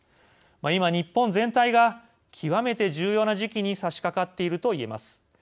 今、日本全体が極めて重要な時期にさしかかっているといえます。